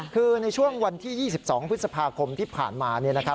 คือในช่วงวันที่๒๒พฤษภาคมที่ผ่านมา